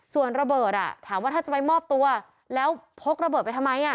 ส่วนระเบิดถามว่าถ้าจะไปมอบตัวแล้วพกระเบิดไปทำไม